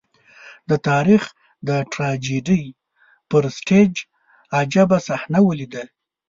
د تاریخ د ټراجېډي پر سټېج عجيبه صحنه ولیده.